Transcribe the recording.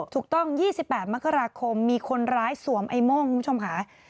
ถูกต้อง๒๘มกราคมมีคนร้ายสวมไอ้โม่งคุณผู้ชมค่ะ